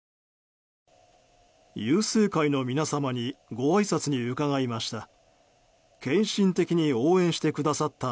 裕世会の皆様にごあいさつに伺いました。